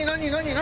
何？